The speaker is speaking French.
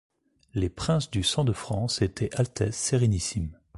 Les princes du Sang de France étaient altesses sérénissimes.